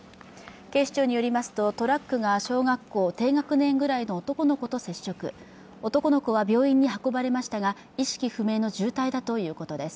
警視庁によりますとトラックが小学校低学年ぐらいの男の子と接触男の子は病院に運ばれましたが、意識不明の重体だということです。